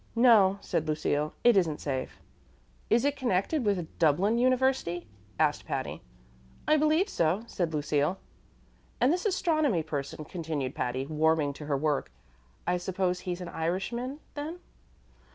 "No," said Lucille; "it isn't safe." "Is it connected with Dublin University?" asked Patty. "I believe so," said Lucille. "And this astronomy person," continued Patty, warming to her work "I suppose he's an Irishman, then."